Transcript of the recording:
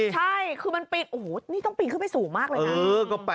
ใช่คือมันปีนโอ้โหนี่ต้องปีนขึ้นไปสูงมากเลยนะ